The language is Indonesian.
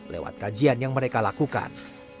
lewat kajian yang mereka lakukan